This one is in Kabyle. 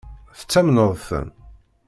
Tettamneḍ-ten?